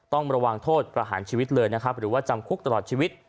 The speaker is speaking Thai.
ต้องระวังโทษประหารชีวิตเลยนะครับหรือว่าจำคุกตลอดชีวิต